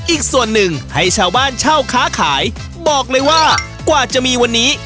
อีกส่วนหนึ่งให้ชาวบ้านเช่าค้าขายบอกเลยว่ากว่าจะมีวันนี้